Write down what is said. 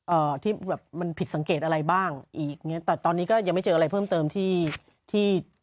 ที่แบบมันผิดสังเกตอะไรบ้างอีกอย่างเงี้แต่ตอนนี้ก็ยังไม่เจออะไรเพิ่มเติมที่ที่